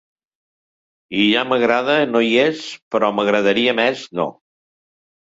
I ja m'agrada no hi és, però m'agradaria més no.